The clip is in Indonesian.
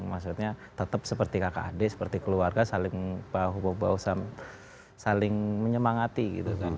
maksudnya tetap seperti kakak adik seperti keluarga saling menyemangati gitu kan